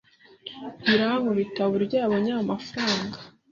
Birankubita uburyo yabonye ayo mafaranga.